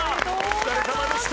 お疲れさまでした。